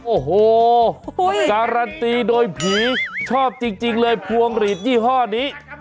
โอ้โหการันตีโดยผีชอบจริงเลยพวงหลีดยี่ห้อนี้